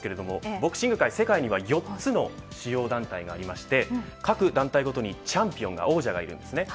ボクシング界世界には４つの主要団体がありまして各団体ごとに王者がいるんです。